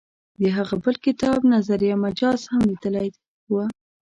د هغه بل کتاب نظریه مجاز هم لیدلی و.